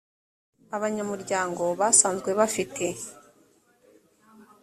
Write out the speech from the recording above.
abanyamuryango basanzwe bafite